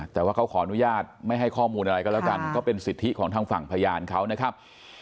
แต่ว่าเขาขออนุญาตไม่ให้ข้อมูลอะไรก็แล้วกันก็เป็นสิทธิของทางฝั่งพยานเขานะครับ